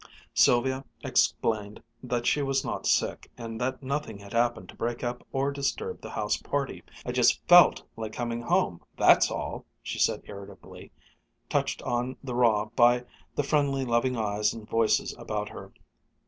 Sylvia explained that she was not sick, and that nothing had happened to break up or disturb the house party. "I just felt like coming home, that's all!" she said irritably, touched on the raw by the friendly loving eyes and voices about her.